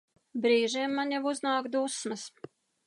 Brīžiem man jau uznāk dusmas.